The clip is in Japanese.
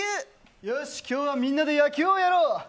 よし今日はみんなで野球をやろう。